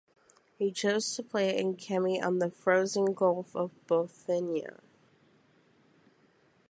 He chose to play it in Kemi on the frozen Gulf of Bothnia.